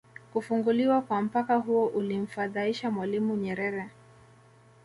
Kufunguliwa kwa mpaka huo kulimfadhaisha Mwalimu Nyerere